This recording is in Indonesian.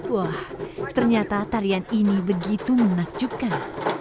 wah ternyata tarian ini begitu menakjubkan